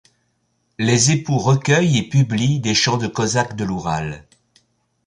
Les époux recueillent et publient des chants de cosaques de l'Oural.